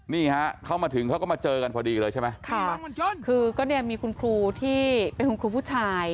นี่ฮะเขามาถึงเขาก็มาเจอกันพอดีเลยใช่ไหมค่ะคือก็เนี่ยมีคุณครูที่เป็นคุณครูผู้ชาย